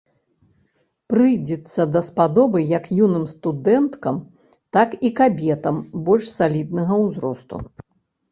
Прыйдзецца даспадобы як юным студэнткам, так і кабетам больш саліднага ўзросту.